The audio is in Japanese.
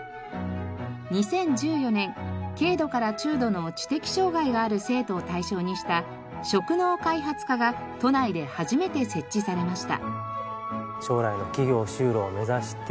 ２０１４年軽度から中度の知的障害がある生徒を対象にした職能開発科が都内で初めて設置されました。